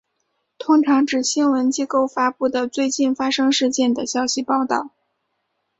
通常指新闻机构发布的最近发生事件的消息报道。